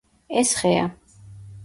ეს ხეა